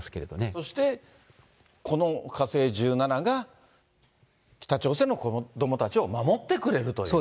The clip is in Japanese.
そしてこの火星１７が、北朝鮮の子どもたちを守ってくれるという。